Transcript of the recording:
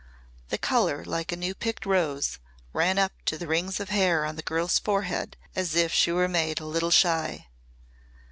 The colour like a new picked rose ran up to the rings of hair on the girl's forehead as if she were made a little shy.